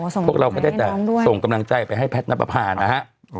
พวกเราก็ได้แต่ส่งกำลังใจไปให้แพทย์นับประพานะฮะ